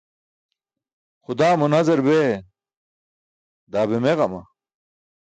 Xudaa mo nazar bee, daa meġama.